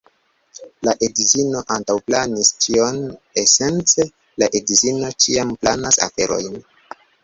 La edzino antaŭplanis ĉion, esence la edzino ĉiam planas aferojn.